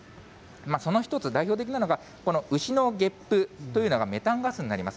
その一つ、代表的なのが、この牛のゲップというのが、メタンガスになります。